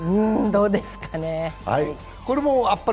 どうですかね。